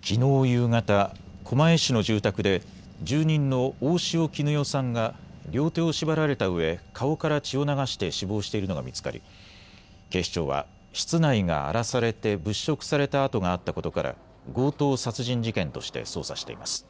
きのう夕方、狛江市の住宅で住人の大塩衣與さんが両手を縛られたうえ顔から血を流して死亡しているのが見つかり警視庁は室内が荒らされて物色された跡があったことから強盗殺人事件として捜査しています。